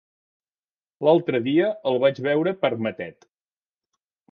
L'altre dia el vaig veure per Matet.